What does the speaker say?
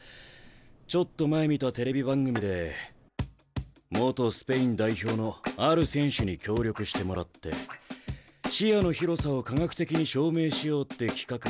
ちょっと前見たテレビ番組で元スペイン代表のある選手に協力してもらって視野の広さを科学的に証明しようって企画があった。